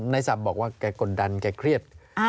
ในทรัพย์บอกว่าแกกดดันแกเครียด